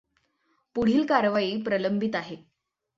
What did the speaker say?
पुढील कारवाई प्रलंबित आहे.